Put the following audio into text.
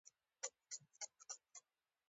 په جوماتونو کې ماشومان زده کړه کوي.